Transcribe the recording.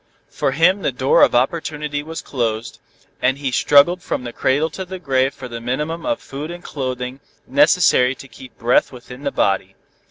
For him the door of opportunity was closed, and he struggled from the cradle to the grave for the minimum of food and clothing necessary to keep breath within the body.